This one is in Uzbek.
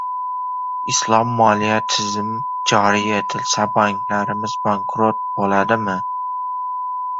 Islom moliya tizim joriy etilsa, banklarimiz bankrot bo‘ladimi?